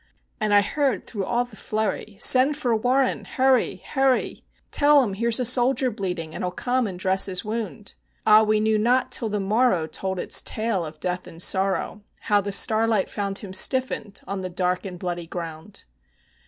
And I heard through all the flurry, "Send for WARREN! hurry! hurry! Tell him here's a soldier bleeding, and he 'll come and dress his wound!" Ah, we knew not till the morrow told its tale of death and sorrow, How the starlight found him stiffened on the dark and bloody ground.